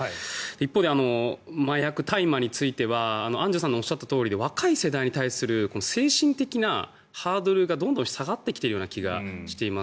一方で、麻薬、大麻についてアンジュさんのおっしゃったとおりで若い世代に対する精神的なハードルがどんどん下がってきているような気がしています。